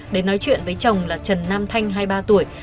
đến nói chuyện với chồng là trần nam thanh hai mươi ba tuổi